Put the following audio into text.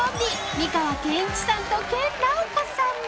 美川憲一さんと研ナオコさん。